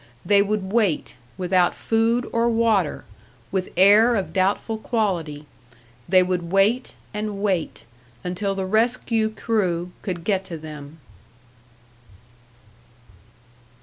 They would wait, without food or water, with air of doubtful quality they would wait and wait, until the rescue crew could get to them!